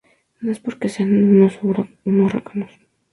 no es porque sean unos rácanos